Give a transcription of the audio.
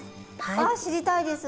あ知りたいです。